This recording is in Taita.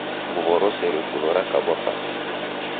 Nguwo rose rifulo rakabwa pasi